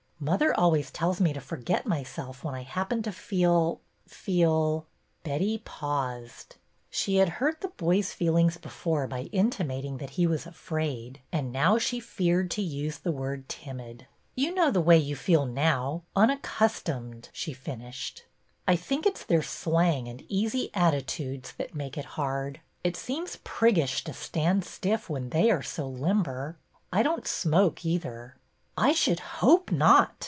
Mother always tells me to forget my self when I happen to feel — feel —" Betty paused. She had hurt the boy's feelings before 104 BETTY BAIRD'S VENTURES by intimating that he was afraid, and now she feared to use the word timid." You know the way you feel now, unaccustomed," she finished. r think it 's their slang and easy attitudes that make it hard. It seems priggish to stand stiff when they are so limber. I don't smoke either." '' I should hope not!